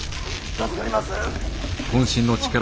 助かります。